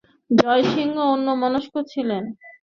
জয়সিংহ অন্যমনস্ক ছিলেন।